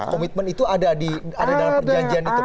komitmen itu ada di dalam perjanjian itu